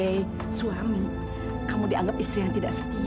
aku tahu kalau dia penuh memperkuasa sekretarisnya sendiri